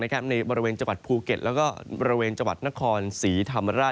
ในบริเวณจังหวัดภูเก็ตแล้วก็บริเวณจังหวัดนครศรีธรรมราช